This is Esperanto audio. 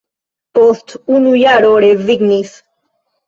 Post unu jaro rezignis.